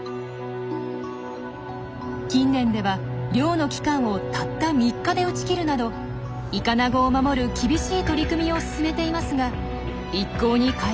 近年では漁の期間をたった３日で打ち切るなどイカナゴを守る厳しい取り組みを進めていますが一向に回復しません。